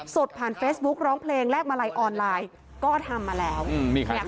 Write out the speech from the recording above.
สดผ่านเฟซบุ๊กร้องเพลงแลกมาลัยออนไลน์ก็ทำมาแล้วอืมมีขายทุเรียน